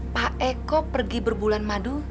pak eko pergi berbulan madu